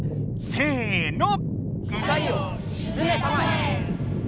せの！